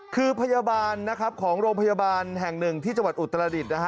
คือพยาบาลนะครับของโรงพยาบาลแห่งหนึ่งที่จังหวัดอุตรดิษฐ์นะฮะ